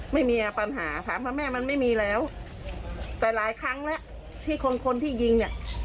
ไม่มีปัญหาค่ะเพราะแม่มันไม่มีแล้วแต่หลายครั้งแล้วที่คนคนที่ยิงเนี่ย